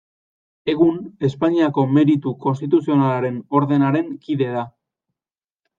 Egun, Espainiako Meritu Konstituzionalaren Ordenaren kide da.